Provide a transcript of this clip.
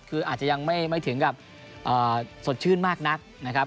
คืออาจจะยังไม่ถึงกับสดชื่นมากนักนะครับ